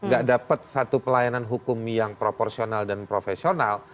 gak dapat satu pelayanan hukum yang proporsional dan profesional